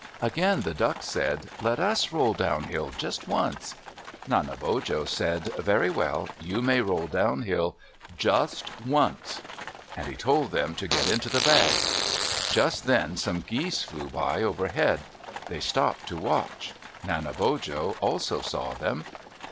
Again the ducks said, "Let us roll downhill just once." Nanebojo said, "Very well. You may roll downhill just once," and he told them to get into the bag. Just then some geese flew by overhead. They stopped to watch. Nanebojo also saw them.